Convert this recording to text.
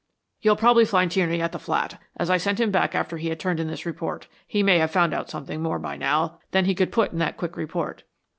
"You'll probably find Tierney at the flat, as I sent him back after he had turned in this report. He may have found out something more by now than he could put in that quick report."